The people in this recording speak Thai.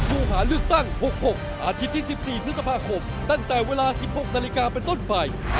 แต่นี่ไม่มีปัญหาครับก่อนธมไม่มีปัญหา